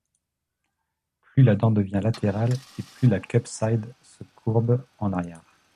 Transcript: Plus la dent devient latérale et plus la cupside se courbe en arrière.